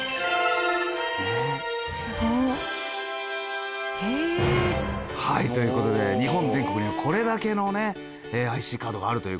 すごっ！という事で日本全国にはこれだけのねＩＣカードがあるという事で。